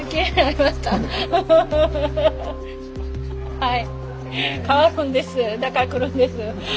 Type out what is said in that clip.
はい。